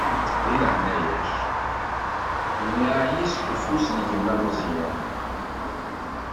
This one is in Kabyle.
Di leɛnaya-k, mneɛ-iyi seg ufus n gma Meẓyan.